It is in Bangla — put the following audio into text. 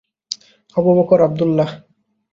আবু বকর আবদুল্লাহ!